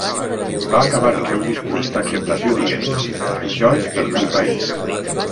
Va acabar el seu discurs d'acceptació dient: "Això és pel meu país".